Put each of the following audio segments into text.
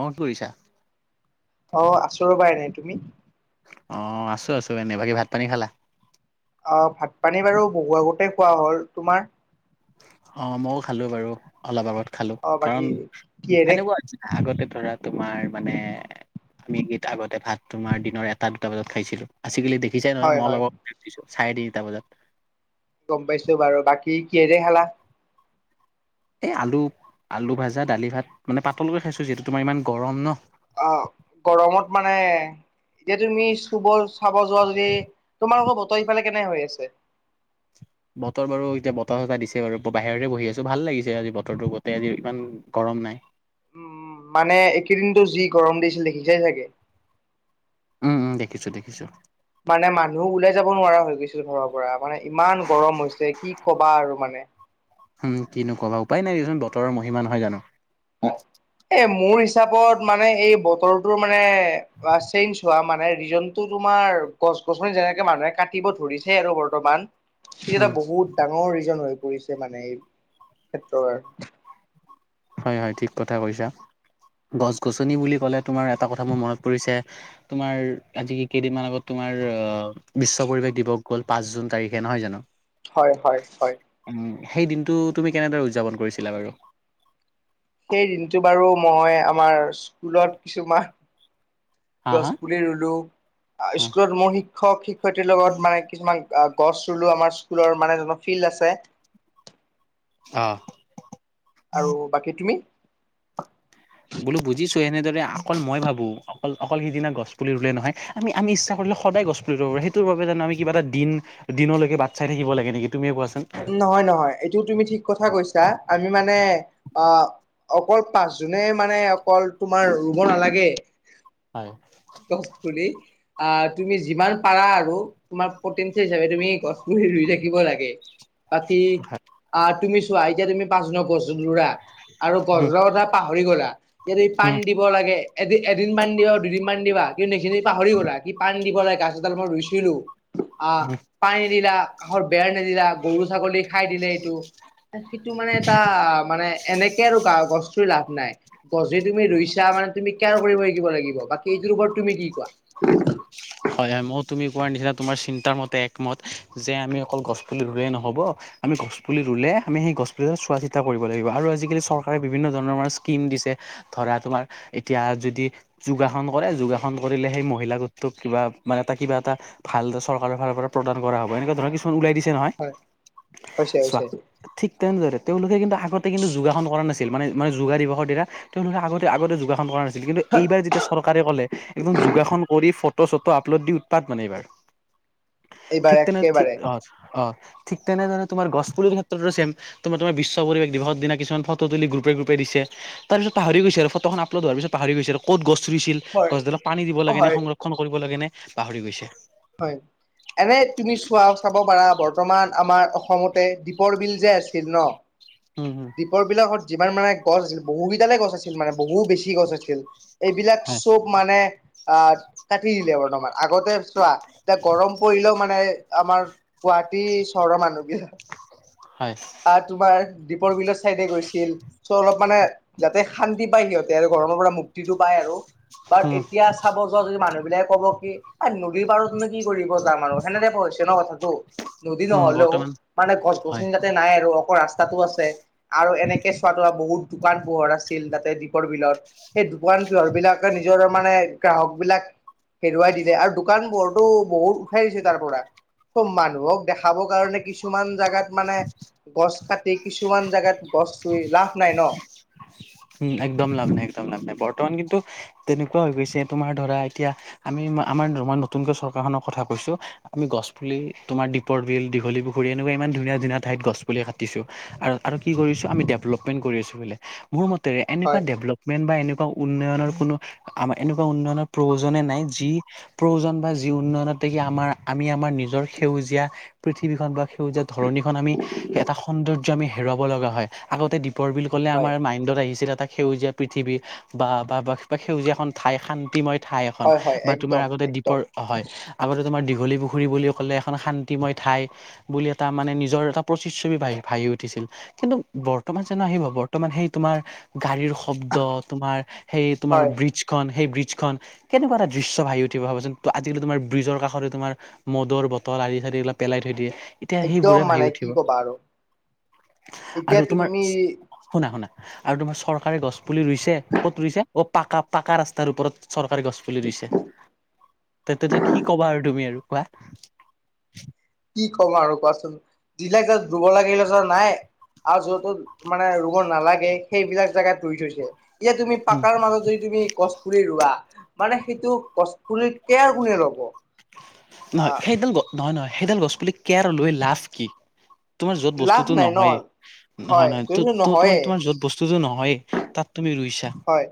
অ কৰিছা অ আছো ৰবা এনেই তুমি অ আছো আছো এনে বাকী ভাত পানী খালা অ ভাত পানী বাৰু বহু আগতে খোৱা হ'ল তোমাৰ অ মইও খালো বাৰু অলপ আগত খালো অ বাকী কাৰণ কিহেৰে সেনেকুৱা হৈছে আগতে ধৰা তোমাৰ মানে আমি গীত আগতে ভাত তোমাৰ দিনৰ এটা দুটা বজাত খাইছিলো আজিকালি দেখিছাই নহয় হয় মই হয় লগতিছো চাৰে তিনিটা বজাত গম পাইছো বাৰু বাকী কিহেৰে খালা এই আলু আলু ভাজা দালি ভাত মানে পাতলকৈ খাইছোঁ যিহেতু তোমাৰ ইমান গৰম ন অ গৰমত মানে এতিয়া তুমি চুবৰ খাব যোৱা যদি তোমালোকৰ বতৰ ইফালে কেনে হৈ আছে বতৰ বাৰু এতিয়া বতাহ চতাহ দিছে বাৰু বাহিৰৰে বহি আছোঁ ভাল লাগিছে আজি বতৰটো গোটেই আজি ইমান গৰম নাই উম মানে এইেকেদিনতো যি গৰম দিছিল দেখিছাই চাগে উম উম দেখিছো দেখিছো মানে মানুহ ওলাই যাব নোৱাৰা হৈ গৈছিল ঘৰৰ পৰা মানে ইমান গৰম হৈছে কি কবা আৰু মানে কিনো ক'বা উপায় নাই দেচোন বতৰৰ মহিমা নহয় জানো এ মোৰ হিচাপত মানে এই বতৰটো মানে অ চেইঞ্জ হোৱা মানে ৰিজনটো তোমাৰ গছ গছনি যেনেকে মানুহে কাটিব ধৰিছে আৰু বৰ্তমান সি এটা উম বহুত ডাঙৰ ৰিজন হৈ পৰিছে মানে এই ফেক্টৰ হয় হয় ঠিক কথা কৈছা গছ গছনি বুলি কলে তোমাৰ এটা কথা মোৰ মনত পৰিছে তোমাৰ আজি কি কেইদিনমান আগত তোমাৰ অ বিশ্ব পৰিৱেশ দিৱস গ'ল পাঁচ জুন তাৰিখে নহয় জানো? হয় হয় হয়। উম সেই দিনটো তুমি কেনেদৰে উদযাপন কৰিছিলা বাৰু? সেই দিনটো বাৰু মই আমাৰ স্কুলত কিছুমান হা গছ হা পুলি ৰুলো অ স্কুলত মোৰ শিক্ষক শিক্ষয়িত্ৰীৰ লগত মানে কিছুমান গছ ৰুলো আমাৰ স্কুলৰ মানে ফিল্ড আছে অ' আৰু বাকী তুমি? বোলো বুজিছো, এনেদৰে অকল মই ভাবো অকল অকল সিদিনা গছ পুলি ৰুলে নহয় আমি আমি ইচ্ছা কৰিলে সদায় গছ পুলি ৰুব পাৰো, সেইটোৰ বাবে জানো আমি কিবা দিন দিনলৈকে বাট চাই থাক লাগে নেকি তুমিয়ে কোৱাচোন? নহয় নহয় এইটোও তুমি ঠিক কথা কৈছা। আমি মানে অ' অকল পাঁচজুনেই মানে অকল তোমাৰ ৰুব নালাগে। অ' গছ পুলি অ' তুমি যিমান পাৰা আৰু তোমাৰ প্ৰতিনিধি হিচাপে তুমি গছ পুলি ৰুই থাকিব লাগে। বাকী হয় অ' তুমি চোৱা এতিয়া তুমি পাঁচজুনত গছ ৰুলা আৰু উম গছডালৰ কথা পাহৰি গ'লা ইয়াত যদি উম পানী দি দিব লাগে এদিন মান দিবা দুদিন মান দিবা কিন্তু এই খিনি পাহৰি গ'লা, কি পানী দিব লাগে গাছ এডাল মই ৰুইছিলো। অ' পানীদিলা কাষৰ বেৰ নিদিলা গৰু ছাগলী খাই দিলে এইটো। সেইটো মানে এটা মানে এনেকে আৰু গ গছ ৰুই লাভ নাই। গছ তুমি ৰুইছা মানে তুমি কেয়াৰ কৰিব শিকিব লাগিব, বাকী সেইটোৰ ওপৰত তুমি কি কোৱা? হয় হয় মই তুমি কোৱাৰ নিচিনা তোমাৰ চিন্তাৰ মতে একমত, যে আমি অকল গছ পুলি ৰুলেই নহব। আমি গছপুলি ৰুলে আমি সেই গছপুলি চোৱা চিতা কৰিব লাগিব, আৰু আজিকালি চৰকাৰে বিভিন্ন ধৰণৰ আমাৰ স্কিম দিছে। ধৰা তোমাৰ এতিয়া যদি যোগাসন কৰা, যোগাসন কৰিলে সেই মহিলা গোটটোক কিবা মানে এটা কিবা এটা ভাল এটা চৰকাৰৰ ফালৰ পৰা প্ৰদান কৰা হ'ব, এনেকুৱা ধৰণৰ কিছু ন ওলাই দিছে নহয়। হয় হৈছে চোৱা হৈছে ঠিক তেনেদৰে তেওঁলোকে কিন্তু আগতে কিন্তু যোগাসন কৰা নাছিল। মানে মানে যোগা দিৱসৰ দিনা তেওঁলোকে আগতে আগতে যোগাসন কৰা না ছিল কিন্তু এইবাৰ যেতিয়া চৰকাৰে ক'লে একদম যোগাসন কৰি ফটো চটো আপলোড দি উৎপাত মানে এইবাৰ। এইবাৰ ঠিক তেনে ঠিক একেবাৰে অ' অ' ঠিক তেনে ধৰনৰ তোমাৰ গছপুলি ৰোৱাৰ ক্ষেত্ৰতো ছে'ম। তোমাৰ তোমাৰ বিশ্ব পৰিৱেশ দিৱসৰ দিনা কিছুমান ফটো তুলি গ্ৰুপে গ্ৰুপে দিছে। তাৰ পিছত পাহৰি গৈছে আৰু ফটোখন আপলোড হোৱাৰ পিছত পাহৰি গৈছে আৰু ক'ত গছ ৰুইছিল হয় গছডালাক পানী দিব লাগে নে হয় সংৰক্ষণ কৰিব লাগে নে পাহৰি গৈছে। হয়। এনে তুমি চোৱা চাব পাৰা বৰ্তমান আমাৰ অসমতে দ্বীপৰ বিল যে আছিল ন? হু' হু' দীপৰবিলত যিমান মানে গছ আছিল বহুকেইডালে গছ আছিল মানে বহু বেছি গছ আছিল। এইবিলাক হয় চব মানে আহ কাটি দিলে বৰ্তমান, আগতে চোৱা এতিয়া গৰম পৰিলেও মানে আমাৰ গুৱাটী চহৰৰ মানুহখিনি হয়। আহ তোমাৰ দ্বীপৰ বিলৰ চাইডে গৈছিল, চ' অলপ মানে তে শান্তি পায় সিহঁতে আৰু গৰমৰ পৰা মুক্তিটো পায় আৰু। বাট উম এতিয়া চা ব যোৱা যদি মানুহবিলাকে ক'ব কি এই নদী পাৰতনো কি কৰিব যাম আৰু সেনেক কোৱা হৈছে ন কথাটো। নদী উম নহলেওঁ বৰ্তমান মানে গছ হয় গছনি যাতে নাই আৰু অকল ৰাস্তাতো আছে আৰু এনেকে চোৱা তোমাৰ বহুত দোকান পোহৰ আছিল তাতে দীপৰ বিলত, সেই দোকান পোহাৰ বিলাকে নিজৰ মানে গ্ৰাহক বিলাক হেৰুৱাই দিলে আৰু। দোকান বোৰটো বহুত উঠাই দিছে তাৰ পৰা। চব মানুহক দেখাব কাৰণে কিছুমান জোগাত মানে গছ কাটি কিছুমান জোগাত গছছুই লাভ নাই ন উম একদম লাভ নাই একদম লাভ নাই বৰ্তমান কিন্তু তেনেকুৱা হৈ গৈছে তোমাৰ ধৰা এতিয়া আমি আমাৰই নতুনকৈ চৰকাৰখনৰ কথা কৈছো আমি গছ পুলি তোমাৰ দীপৰ বিল দীঘল পুখুৰী এনেকুৱা ইমান ধুনীয়া ধুনীয়া ঠাইত গছ পুলি কাটিছো আৰু আৰু কি কৰিছো আমি ডেভলপমেণ্ট কৰি আছো বোলে মোৰ মতে হয়। এনেকুৱাভপ মেইন বা এনেকুৱা উন্নয়নৰ কোনো আমাৰ এনেকুৱা উন্নয়নৰ প্ৰয়োজনে নাই যি প্ৰয়োজন বা যি উন্নয়নত দেখি আমাৰ আমি আমাৰ নিজৰ সেউজীয়া পৃথিৱীখন বা সেউজীয়া ধৰণীখন আমি এটা সৌন্দৰ ক [unintelligible] ন্দত হয় আহিছিল এটা সেউজীয়া পৃথিৱী বা সেউজীয়া এখন ঠাই শান্তিময় ঠাই এখন হয় হয় বা তোমাৰ একদম আগতে একদম দ্বীপৰ হয় আগতে তোমাৰ দীঘলী পুখুৰী বুলি ক'লে এখন শান্তিময় ঠাই বুলি এটা মানে নিজৰ এটা প্ৰতিচ্ছবিি ভহি উঠিছিল কিন্তু বৰ্তমান যোনো আহিব বৰ্তমান সেই তোমাৰ গাড়ীৰ শব্দ তোমাৰ সেই তোমাৰ হয় ব্ৰিজখন সেই ব্ৰিজখন কেনেকুৱা ধ্ৰীশ্য ভি উঠিবাব যেোন ত আজিকিোমাৰ ব্ৰিজৰ কষ তোৰ মদুৰ বটল আৰি চ এইিলাক পেলাই থৈ দিয়ে এতিয়া একদম সেইবোৰে ভাবি মানে কি উঠিব ক'বা আৰু এতিয়া আৰু তোমাৰ তুমি শুনা শুনা আৰু তোমাৰ চৰকাৰে গছ পুলি ৰুইছে ক'ত ৰুইছে পাকা পাকা ৰাস্তাৰ ওপৰত চৰকাৰী গছ পুলি ৰুছে তেতি কি ক'বা আৰু তুমি আৰু কোৱা কি ক'ম আৰু কোৱাচোন দিলে য ধব লাগিলে য নাই আৰু যতো মানে ৰুব নালাগে সেইবিলাক জোগাত ৰুই থৈছে এতিয়া তুমি পাকাৰ মাজত যদি তুমি কছপৰি ৰোৱা মানে সেইটো কছপৰিত নহয় আহ সেইডাল গ নহয় নহ সেইডাল গছ পুলি কোৰ লৈ লাভ কি তোমাৰ যত লাভ বস্তুতো নাই ন নহয়েই নহয় হয় নহয় ত তোমাৰ নহয় তোমাৰ যত বস্তুতটো নহয়েই তাত তুমি ৰুইছা হয়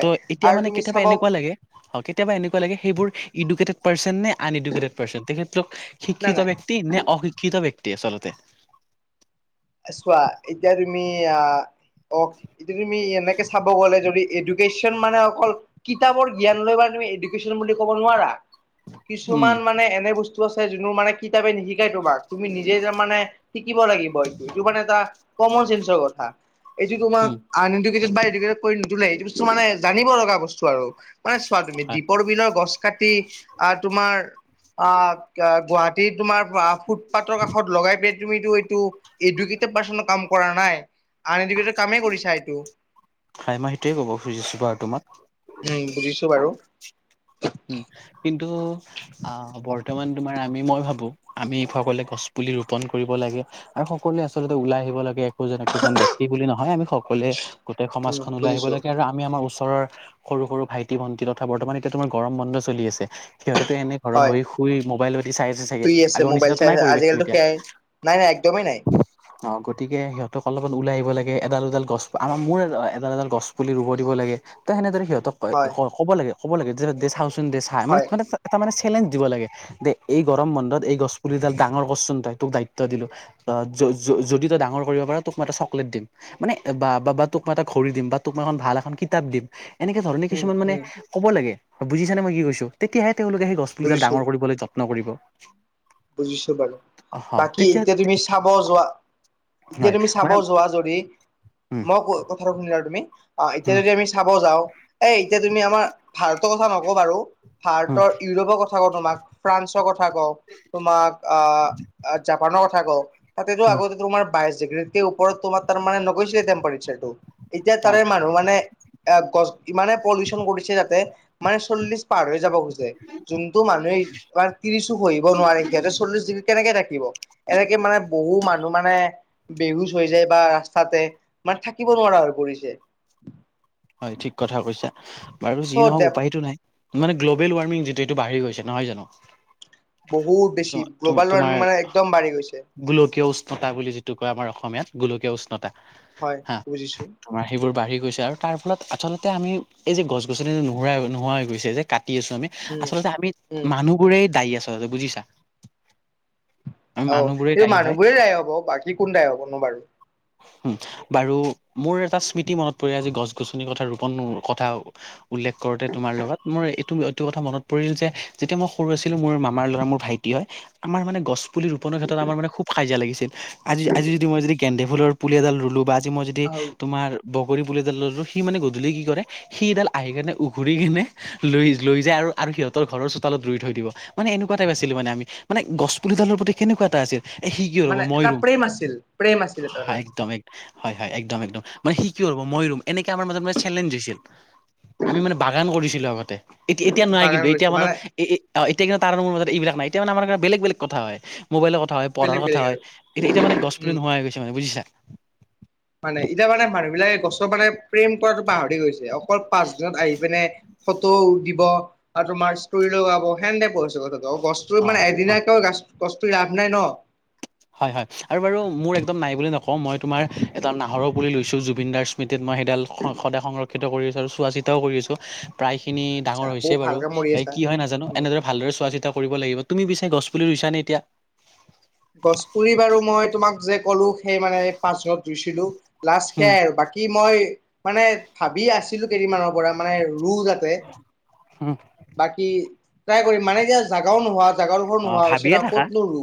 ত' এতিয়া আৰু মানে তুমি কেতিয়াবা চাব এনেকুৱা লাগে হয় কেতিয়াবা এনেুৱা লাগে সেইবোৰ এডকেটেড পাৰ্চন নে আন এডেটেড পাৰ্চ তেখেত না শিক্ষিত নাই ব্যক্তি নে অশিক্ষিত ব্যক্তি আচলতে ছয়া ইতিয়া তুমি অ এতিয়া তুমি এনেকে চাব গ'লে যদি এডুকেশ্যন মানে অকল কিতাপৰ জ্ঞান লৈ বা তুমি এডুকেন বুলি ক'ব নোৱাৰা উম কিছুমান মানে এনে বস্তু ছে যোনো মানে কিতাপে নিশিকাই তোমাক তুমি নিজে মানে শিকিব লাগিব এইটো এইটো মানে এটা কমন চেঞ্চ কথা এইটো তোমাৰন উম এ নিদিলে এইটো বস্তু মানে জানিব লগা বস্তু আৰু মানে চোৱা তুমি হয় দীপৰ বিলৰ গছ কাটি আহ তোমাৰ আহ গুৱাহাটী তোমাৰ ফুটপাথৰ কাষত লগাই পেলাই তুমিতো এইটো কৰা নাইন এ কামেই কৰিছা এইটো হাই মাহ সেইটোৱে কব খুজিছো বাৰ তুমাক উম বুজিছো বাৰু উম কিন্তু অ বৰ্তমান তোমাৰ আমি মই ভাবো আমিফোৱ গলে গছ পুলি ৰোপন কৰিব লাগে আৰু সকলোৱে আচলতে ওলাই আহিব লাগে একজন একোজন ব্য্ক্তি বুলি নহয় আমি সকলোৱে গোটেই উম সমাজখন ওলাই আহিব বুজিছো লাগে আৰু আমি আমাৰ ওচৰৰ সৰু সৰু ভাইটি ভণ্টি তথা বৰ্তমান এতিয়াাতোমাৰ গৰম বন্ধ চলি আছে সিহঁতেতো এনে ঘৰত হয় বহি ই মোবাইলতি চাই আছে চাগে শুই আছে আগৰ মোবাইল নিচিনো চাই নাই পৰিৱেশটো আজিকালিতো সেয়াই নাই নাই একদমেই নাই এতিয়া অ গতিকে সিহঁতক অলপমান ওলাই আহিব লাগে এডাল এডাল গছ আমাৰ মোৰ এডাল এডাল গছ পুলি ৰুব দিব লাগে ত সেনেদৰে উম, সহঁতক হয়, কব লাগে ক' লাগ যে দ চাওচোন দে চাই হয়, মানেটা এটা মানে চেলেঞ্জ দিব উম, লাগে যে এই গৰম বন্ধত উম, এই গছ পুলিডাল ডাঙৰ কৰচোন তই তোক দায়িত্ব দিলো অ', দি তই ডাঙৰ কৰিব পাৰ, তোক মই এটা চকলেট দিম মানে তোক মা এটা ঘড় দিম বা তোক মা এখন ভাল এখন কিতাপ দিম এনেকে ধৰণে উম, কিছুমান মানে উম, কবাগে বুজিছান মই কি কৈছোঁ তেতিহে তেওঁলোকে সেই গছ পুলিডাল বুজিছো, ডাঙৰ কৰিবলৈ [unintelligible] বুজিছো বাৰু অ বাকী তেতিয়া এতিয়া তুমি চাব যোৱা এতিয়া, তুমি চাব যোৱা যদি মই অ', কথাটো শুনিলা তুমি অ এতিয়া যদি আমি চাব যাওঁ এ এতিয়া তুমি আমাৰ ভাৰতৰ কথা নকওঁ বাৰু, উম ভাৰতৰ ইউৰোপৰ কথা কথা ক তোমাক ফ্ৰান্সৰ কথা কওঁ তোমাক আহ জাপানৰ কথা কওঁ তাতেতো উম আগতে তোমাৰ বাইশ ডিগ্ৰীৰ ওপৰত তোমাৰ তাৰ মানে নগৈছিলে টেম্পাৰেচাৰটো এতিয়া হয় তাৰে মানুহ মানে এ গছ ইমানে পলিউচন কৰিছে যাতে মানে চল্লিশ পাৰ হৈ যাব খোজে যোনতটো মানুহে এইাৰ তিৰিছো পহিব নোৱাৰে সিহঁতৰ চল্লিশ ডিগ্ৰী কেনেকে থাকিব এনেকে মানে বহু মানুহ মানে বেহুজ হৈ যায় বা, ৰাস্তাতে মানে থাকিব নোৱাৰা হৈ পৰিছে হয় ঠিক কথা কৈছা, বাৰু যি চ' নহওক ডেপ উপায়িতটো নাই মানে গ্ল'ব ৱাৰ্মিং যিটো এইটোঢ়ি গৈছে নহয় জানো বহুত বেছি গ্ল'বেল তোমাৰ ৱাৰ্মিং মানে একদম বাঢ়ি গৈছে গোলকীয় উষ্ণতা বুলি যিটো কয় আমাৰ অসমীয়াত গোলকীয় উষ্ণতা হয় বুজিছোঁ আমাৰ সেইবোৰ বাঢ়ি গৈছে আৰু তাৰ ফলত আচলতে আমি এই যে গছ গছনি নোহৰাোৱা নোহোৱা হৈ গৈছে যে কাটি আছো আমি উম আচলতে আমি উম মানুহবোৰে দায়ী আচলতে বুজিছা আমি অ', মানুহবোৰেই এইটো দায়ী হয় মানুহবোৰেই দায় হব বাকী কোন দাই হব ন বাৰু উ, বাৰু মোৰ এটা স্মৃতি মনত পৰি আজি গছ গছনিৰ কথা ৰোপন কথা উল্লেখ কৰোতে তোমাৰ লগত মোৰ এইটো এইটো কথা মনত পৰিল যেতিয়া মই সৰু আছিলো মোৰ মামাৰ ল'ৰা মোৰ ভাইটি হয় আমাৰ মানে গছ পুলি ৰোপনৰ ক্ষেত্ৰত আমাৰ মে খুব খাজা লাগিছিল আজ আজি যদি মই যদি গে ফুলৰুলি এডাল লো বা আজিই যদি অ তোমাৰ বগৰী পুলিডাল সি মানে গধূলি কি কৰে সিডাল আহি কেনে উঘুৰি কিনে লৈ লৈ যায় আৰু সিহঁতৰ ঘৰৰ চোতালত ৰুই থৈ দিব মানে এনেকুৱাটাই আছিলো মানে আমিানে গছপুলিডালৰ প্ৰতি কেনেকুৱা এটা আছিল এ সি কি ৰ'ব মানে ময় এটা ৰুম প্ৰেম আছিল প্ৰেম আছিল এটা একদম একম হয়, হয়, একদম একদম মানে স কি ৰব মই ৰুম এনেক আমাৰ মাজত মানে চেলেঞ্জ হৈছিল, আমি মানে বাগান কৰিছিলো আগতে এতি এতিয়া নোৱাই বাগান কিন্তু এতিয়া কৰিছো মানে এ এতিয়া কিন্তু তাৰ মোৰ মাজত এইবাক নাইতিয়া মানে আাৰ কাৰণ বেলেগ বেলেগ কথা হয় মোবাইলৰ কথা হয় পঢ়াৰ বেলেগ কথা বেলেগ হয় আৰু এতিয়া এতিয়া মানে, গছপুলি উম নোহোৱা হৈ গৈছে মানে বুজিছা মানে এতিয়া মানে মানুহবিলাকে গছৰ মানে প্ৰেম কৰাতো পাহৰি গৈছে, অকল পাচ দিনত আহি পিনে ফটো দিব আৰু তোমাৰ ষ্ট লগাব হেনে ত গছটো অ মানে অ এদিনাক গছৰ লাভ নাই ন হয়, হয়, আৰু বাৰু মোৰ একদম নাই বুলি নকওঁ মই তোমাৰ এটা নাহৰৰ পুলি লৈছো জুবিন দাৰ্ স্মৃতিত মই সেইডাল সদায় সংৰক্ষিত কৰিছোঁ আৰু চোৱা চিতাও কৰিছোঁ প্ৰায় খিনি আচ্ছা ডাঙৰ বহুত হৈছে বাৰু, ভালকে মৰি বা আছা কি হয় নাজানো উম এনেদৰে ভালদৰে চোৱা চিতা কৰিব লাগিব তুমি বিচছ গছুলি ইছ নে এতিয়া গছ পুৰি বাৰু মই তোমাক যে ক'লো সেই মানে পাচজনত ৰুইছিলো লাষ্ট উম সেয়াই আৰু বাকী স মই মানে ভাবি আছিলোঁ কেইদিনমানৰ পৰা মানে ৰুওঁ যাতে উম, বাকী ট্ৰাই কৰিম মানে যে জাগাও নোহোৱা জাগাৰ ওবৰ অ নোহোৱা হৈছে ভাবিয়ে থাকা ক'তনো ৰো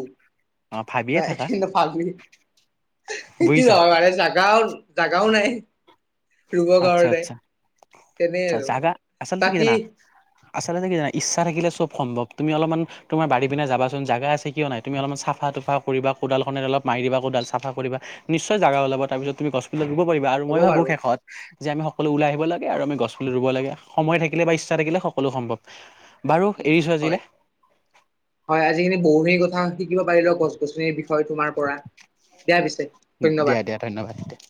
অ ভাবিয়ে থাকা পাল খেতি বুজিছা জাগাও জাগাও নাই ৰুবৰ আচ্ছা কাৰণে আচ্ছা তেনে আচ্ছা আৰু জাগা আচলতে কি বাকী জানা আচলতে কি জানে ইচ্ছা থাকিলে চব সম্ভৱ তুমি অলপমান তোমাৰ় পিনে যাবাচোন জো আছে কিয়াই তুমি অলপমান চাফা তুফা কৰিব কদালনে অপ মাৰিিবা কোডাল চাফা কৰিবা নিশ্চয় জাগা ওলাব তাৰিছত তুমি গছিলাল গিবাৰা হ'ব মই ভাবো বাৰু শষত যে আমি সকলো ওলাই আহিব লাগে আৰু আি গছুলি ৰুব লাগ সময় থাকিলে বা ইচ্ছা থাকিলে সকলো সম্ভৱ বাৰু উ এৰিছো আজিলে হয় হয় আজি খিনি বৰণিৰ কথা শিকিব পাৰিলে গছ গছনি হয় তোমাৰ পৰা দিয়া পিছে দিয়া ধন্যবাদ দিয়া ধন্যবাদ